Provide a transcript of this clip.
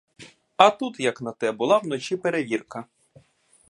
А тут, як на те, була вночі перевірка.